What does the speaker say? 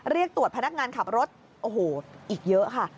เรียกตรวจพนักงานขับรถโอ้โหอีกเยอะค่ะ